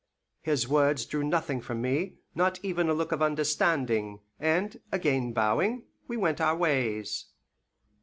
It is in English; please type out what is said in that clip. His words drew nothing from me, not even a look of understanding, and, again bowing, we went our ways.